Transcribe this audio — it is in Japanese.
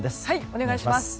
お願いします。